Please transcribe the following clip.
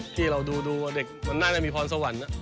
ที่เราดูเด็กมันน่าจะมีพรสวรรค์